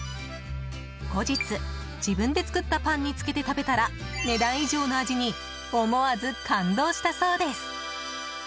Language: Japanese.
後日、自分で作ったパンにつけて食べたら値段以上の味に思わず感動したそうです。